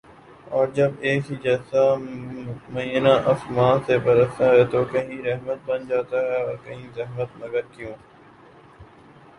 اور جب ایک ہی جیسا مینہ آسماں سے برستا ہے تو کہیں رحمت بن جاتا ہے اور کہیں زحمت مگر کیوں